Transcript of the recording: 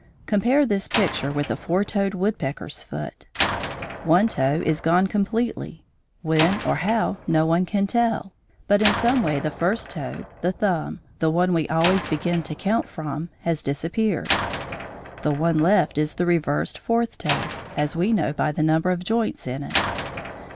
Compare this picture with a four toed woodpecker's foot. One toe is gone completely, when or how no one can tell. But in some way the first toe, the thumb, the one we always begin to count from, has disappeared. The one left is the reversed fourth toe, as we know by the number of joints in it.